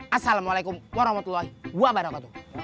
assalamualaikum warahmatullahi wabarakatuh